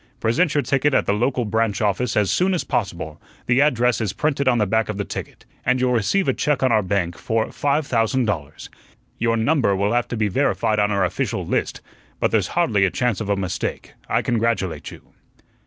"Present your ticket at the local branch office as soon as possible the address is printed on the back of the ticket and you'll receive a check on our bank for five thousand dollars. Your number will have to be verified on our official list, but there's hardly a chance of a mistake. I congratulate you."